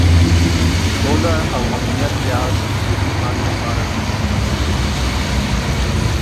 سوله او امنیت بیا د ډیرې همکارۍ لپاره زمینه برابروي.